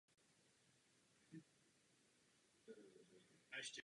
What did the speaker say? Tato domněnka se ovšem nepotvrdila.